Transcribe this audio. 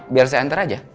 biar saya enter aja